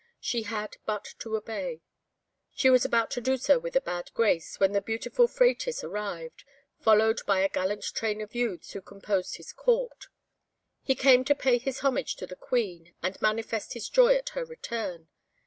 She had but to obey. She was about to do so with a bad grace, when the beautiful Phratis arrived, followed by a gallant train of youths who composed his Court; he came to pay his homage to the Queen, and manifest his joy at her return.